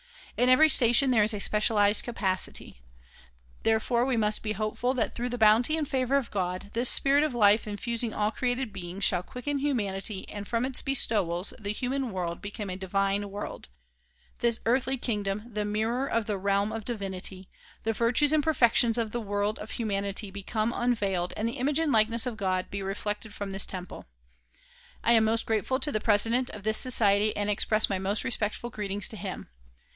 In every station there is a specialized capacity. Therefore we must be hopeful that through the bounty and favor of God, this spirit of life infusing all created beings shall quicken humanity and from its bestowals the human world become a divine world, this earthly kingdom the mirror of the realm of divinity, the virtues and perfections of the world of humanity become un veiled and the image and likeness of God be reflected from this temple. I am most grateful to the President of this Society and express my most respectful greetings to him.